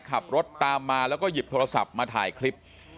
ขับรถตามมาแล้วก็หยิบโทรศัพท์มาถ่ายคลิป